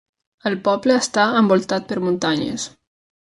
El poble està envoltat per muntanyes.